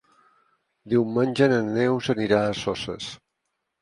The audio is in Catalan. Diumenge na Neus anirà a Soses.